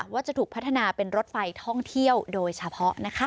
ว่าจะถูกพัฒนาเป็นรถไฟท่องเที่ยวโดยเฉพาะนะคะ